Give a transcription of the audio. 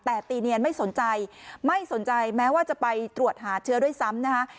แต่ตีเนียนไม่สนใจไม่สนใจแม้ว่าจะไปตรวจหาเชื้อด้วยซ้ำนะคะ